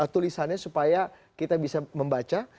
tulisannya supaya kita bisa membaca